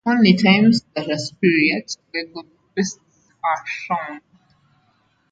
Only times that are superior to legal bests are shown.